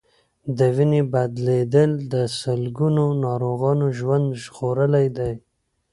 د وینې بدلېدل د سلګونو ناروغانو ژوند ژغورلی دی.